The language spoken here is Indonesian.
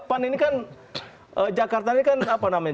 pan ini kan jakarta ini kan apa namanya